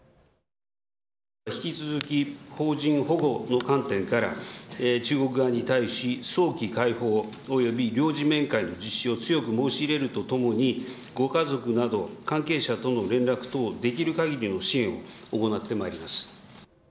引き続き邦人保護の観点から、中国側に対し、早期解放および領事面会の実施を強く申し入れるとともに、ご家族など、関係者との連絡等、できるかぎりの支援を行ってまいります。